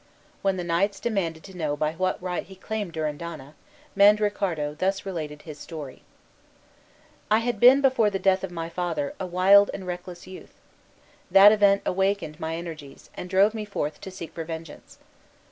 When the knights demanded to know by what right he claimed Durindana, Mandricardo thus related his history: "I had been, before the death of my father, a wild and reckless youth. That event awakened my energies, and drove me forth to seek for vengeance.